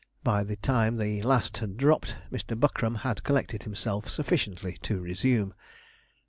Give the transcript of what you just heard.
By the time the last had dropped, Mr. Buckram had collected himself sufficiently to resume.